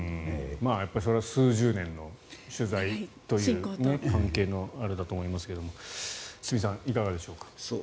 やっぱりそれは数十年の取材の関係のあれだと思いますが堤さん、いかがでしょうか。